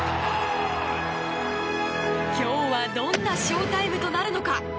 今日はどんなショータイムとなるのか。